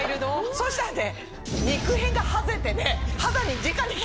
そしたらね。